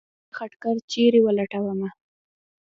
بل خټګر چېرې ولټومه.